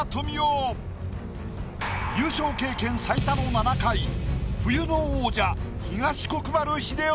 優勝経験最多の７回冬の王者。